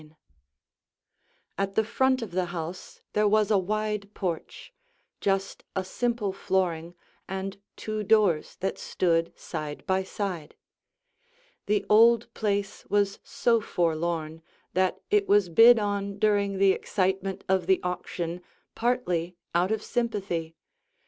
[Illustration: Before Remodeling] At the front of the house there was a wide porch; just a simple flooring and two doors that stood side by side. The old place was so forlorn that it was bid in during the excitement of the auction partly out of sympathy.